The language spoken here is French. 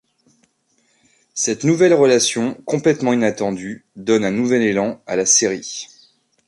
Cette nouvelle relation complètement inattendue donne un nouvel élan à la série.